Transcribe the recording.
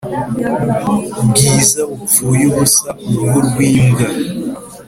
Bwiza bupfuye ubusa-Uruhu rw'imbwa.